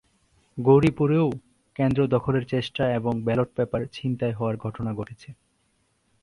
গৌরীপুরেও কেন্দ্র দখলের চেষ্টা এবং ব্যালট পেপার ছিনতাই হওয়ার ঘটনা ঘটেছে।